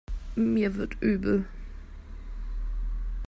Mir wird übel.